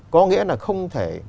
có nghĩa là không thể